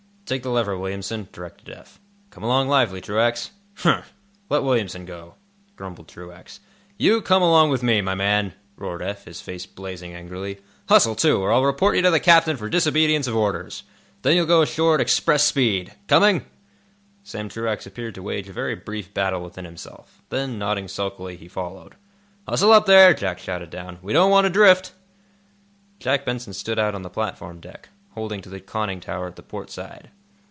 "Take the lever, Williamson," directed Eph. "Come along lively, Truax." "Humph! Let Williamson go," grumbled Truax. "You come along with me, my man!" roared Eph, his face blazing angrily. "Hustle, too, or I'll report you to the captain for disobedience of orders. Then you'll go ashore at express speed. Coming?" Sam Truax appeared to wage a very brief battle within himself. Then, nodding sulkily, he followed. "Hustle up, there!" Jack shouted down. "We don't want to drift." Jack Benson stood out on the platform deck, holding to the conning tower at the port side.